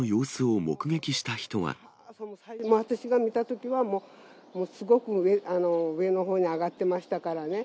私が見たときはもう、すごく上のほうに上がってましたからね。